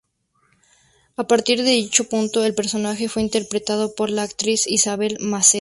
A partir de dicho punto, el personaje fue interpretado por la actriz Isabel Macedo.